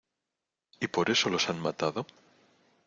¿ y por eso los han matado?